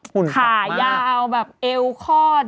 หุ่นขายาวแบบเอวคอด